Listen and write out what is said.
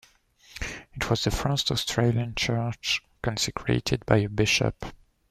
It was the first Australian church consecrated by a bishop.